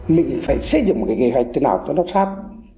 mình sẽ xây dựng nghề hoạch thế nào cho nó sát